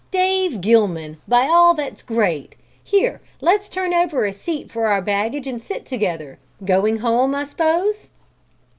"Dave Gilman, by all that's great! Here, let's turn over a seat for our baggage and sit together. Going home, I s'pose?"